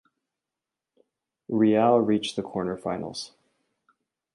Real reached the quarterfinals.